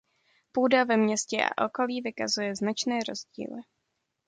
Půda ve městě a okolí vykazuje značné rozdíly.